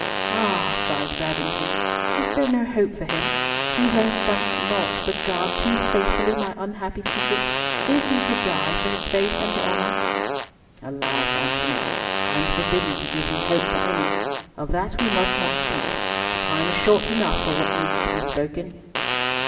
"Ah!" sighed Babington, "is there no hope for him—he who has done naught but guard too faithfully my unhappy secret? Is he to die for his faith and honour?" "Alas, Antony! I am forbidden to give thee hope for any. Of that we must not speak. The time is short enough for what needs to be spoken."